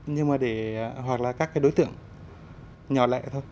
nhưng mà để hoặc là các cái đối tượng nhỏ lẻ thôi